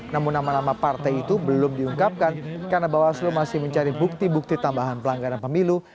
namun nama nama partai itu belum diungkapkan karena bawaslu masih mencari bukti bukti tambahan pelanggaran pemilu